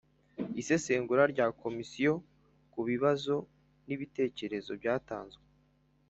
Isesengura rya Komisiyo ku bibazo n ibitekerezo byatanzwe